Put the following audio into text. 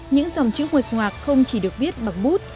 những dòng chữ quệt ngoạc không chỉ được viết bằng bút